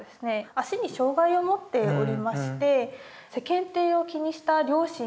足に障害を持っておりまして世間体を気にした両親がですね